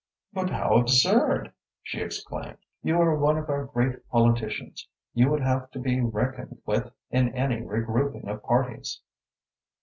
"But how absurd!" she exclaimed. "You are one of our great politicians. You would have to be reckoned with in any regrouping of parties."